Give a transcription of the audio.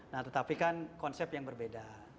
nah tetapi kan konsep yang berbeda